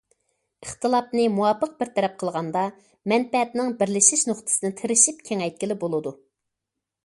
ئىختىلاپنى مۇۋاپىق بىر تەرەپ قىلغاندا مەنپەئەتنىڭ بىرلىشىش نۇقتىسىنى تىرىشىپ كېڭەيتكىلى بولىدۇ.